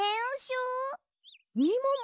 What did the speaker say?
みもも